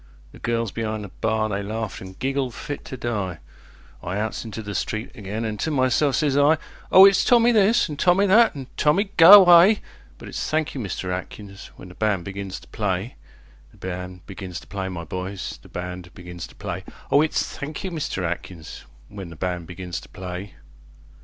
"The girls be'ind the bar they laughed an' giggled fit to die,I outs into the street again an' to myself sez I: O it's Tommy this, an' Tommy that, an' "Tommy, go away"; But it's "Thank you, Mister Atkins", when the band begins to play, The band begins to play, my boys, the band begins to play, O it's "Thank you, Mister Atkins", when the band begins to play.